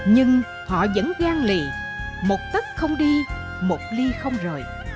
nhưng họ vẫn gan lì một tất không đi một ly không rời